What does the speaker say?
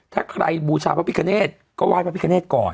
ถ้าใครบูชาพระพิคเนธก็ไห้พระพิคเนธก่อน